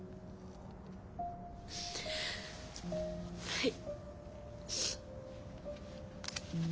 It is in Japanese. はい。